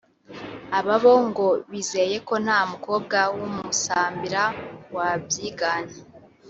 Aba bo ngo bizeye ko nta mukobwa w’i Musambira wabyigana